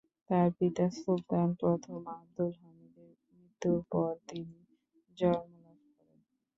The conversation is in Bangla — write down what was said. তার পিতা সুলতান প্রথম আবদুল হামিদের মৃত্যুর পর তিনি জন্মলাভ করেন।